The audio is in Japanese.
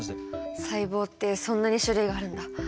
細胞ってそんなに種類があるんだ。